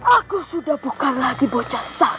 aku sudah bukan lagi bocah sah